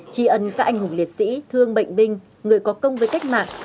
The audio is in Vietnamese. chỉ ấn các anh hùng liệt sĩ thương bệnh binh người có công với cách mạng